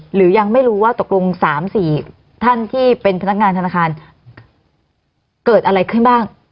หรือยังไม่รู้ว่าตกลง๓๔ท่านที่เป็นพนักงานธนาคารเกิดอะไรขึ้นบ้าง